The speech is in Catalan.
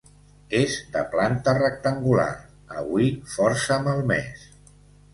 És de planta rectangular, avui força malmés.